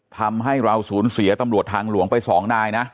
ทำให้เราสูญเสียตำรวจทางหลวงไป๒นายนะ